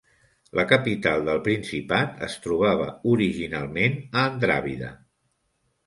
La capital del principat es trobava originalment a Andravida.